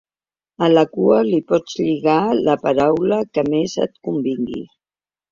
A la cua li pots lligar la paraula que més et convingui.